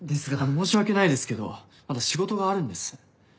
申し訳ないですけどまだ仕事があるんです。